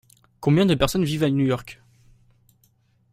Combien de personnes vivent à New York ?